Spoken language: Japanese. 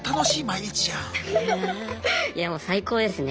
いやもう最高ですね。